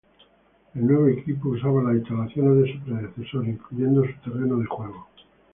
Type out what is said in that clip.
El nuevo equipo usaba las instalaciones de su predecesor, incluyendo su terreno de juego.